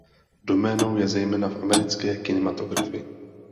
Doménou je zejména v americké kinematografii.